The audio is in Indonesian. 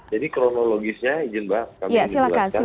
jadi kronologisnya izin bahas